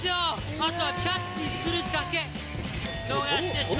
あとはキャッチするだけ。